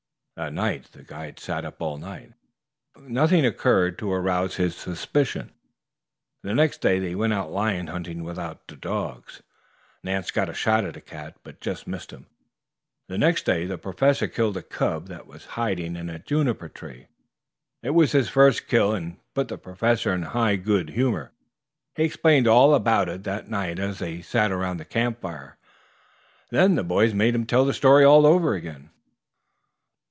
That night the guide sat up all night. Nothing occurred to arouse his suspicion. Next day they went out lion hunting without dogs. Nance got a shot at a cat, but missed him. The next day the Professor killed a cub that was hiding in a juniper tree. It was his first kill and put the Professor in high good humor. He explained all about it that night as they sat around the camp fire. Then the boys made him tell the story over again.